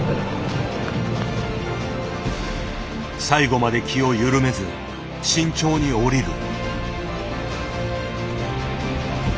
最後まで気を緩めず慎重に降りる。